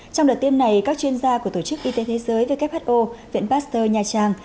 trong đợt tiêm này các chuyên gia của tổ chức y tế thế giới who viện pasteur nha trang